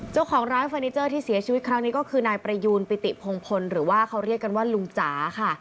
เจ้าของร้านเฟอร์นิเจอร์ที่เสียชีวิตครั้งนี้ก็คือนายประยูนปิติพงพลหรือว่าเขาเรียกกันว่าลุงจ๋าค่ะ